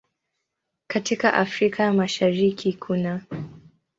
Katika Afrika ya Mashariki kunaː